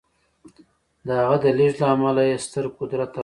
د هغه د لېږد له امله یې ستر قدرت ترلاسه کړ